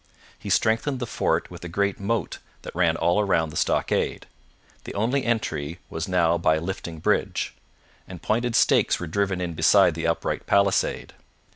He strengthened the fort with a great moat that ran all round the stockade. The only entry was now by a lifting bridge; and pointed stakes were driven in beside the upright palisade.